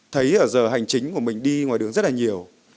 thấy ở giờ hành chính của mình đi ngoài đường rất là nhiều